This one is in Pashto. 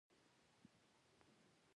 دستمالونو راته په درد وخوړل.